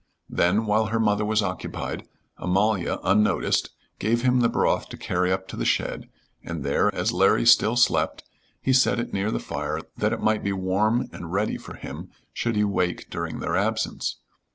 Then while her mother was occupied, Amalia, unnoticed, gave him the broth to carry up to the shed, and there, as Larry still slept, he set it near the fire that it might be warm and ready for him should he wake during their absence.